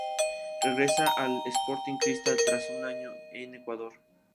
Regresa al Sporting Cristal tras un año en Ecuador.